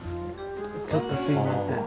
ちょっとすいません。